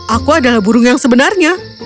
aku adalah burung yang sebenarnya